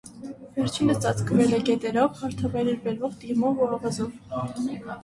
Վերջինս ծածկվել է գետերով հարթավայրեր բերվող տիղմով և ավազով։